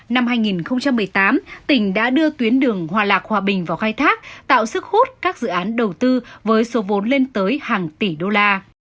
năm hai nghìn một mươi tám tỉnh đã đưa tuyến đường hòa lạc hòa bình vào khai thác tạo sức hút các dự án đầu tư với số vốn lên tới hàng tỷ đô la